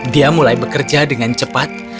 dia mulai bekerja dengan cepat